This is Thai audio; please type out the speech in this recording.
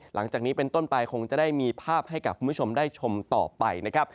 หลังจากนี้เป็นต้นไปคงจะได้มีภาพให้กับคุณผู้ชมได้ชมต่อไปนะครับ